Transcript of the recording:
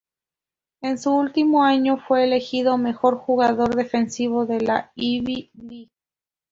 En su último año fue elegido mejor jugador defensivo de la Ivy League.